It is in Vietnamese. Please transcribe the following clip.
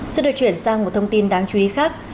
xin được chuyển sang một thông tin đáng chú ý khác